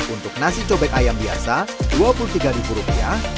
untuk nasi cobek ayam biasa rp dua puluh tiga rupiah